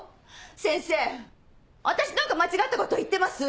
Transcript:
先生私何か間違ったこと言ってます？